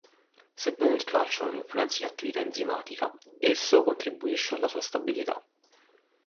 Sebbene il calcio non influenzi l'attività enzimatica, esso contribuisce alla sua stabilità.